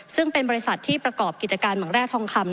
ซึ่งเป็นบริษัทที่ประกอบกิจการเหมืองแร่ทองคำ